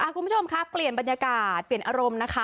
คุณผู้ชมค่ะเปลี่ยนบรรยากาศเปลี่ยนอารมณ์นะคะ